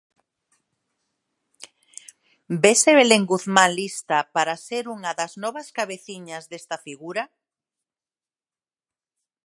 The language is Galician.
Vese Belén Guzmán lista para ser unha das novas cabeciñas desta figura?